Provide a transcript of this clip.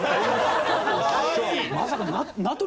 まさか。